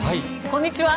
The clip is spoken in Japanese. こんにちは。